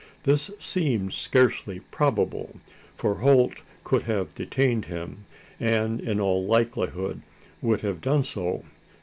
This seemed scarcely probable: for Holt could have detained him; and in all likelihood would have done so?